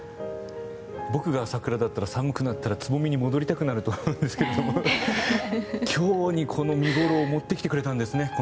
僕が桜だったら寒くなったらつぼみに戻りたくなると思うんですけど今日にこの見ごろを持ってきてくれたんですね